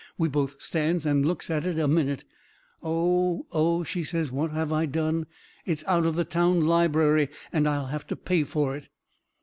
We both stands and looks at it a minute. "Oh, oh!" she says, "what have I done? It's out of the town library and I'll have to pay for it."